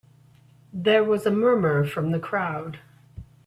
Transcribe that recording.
There was a murmur from the crowd.